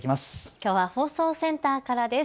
きょうは放送センターからです。